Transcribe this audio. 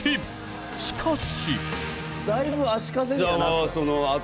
しかし。